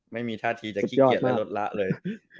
ไม่มีท่าทีจะขี้เกียจและลดละเลย